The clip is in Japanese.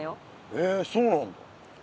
へえそうなんだ。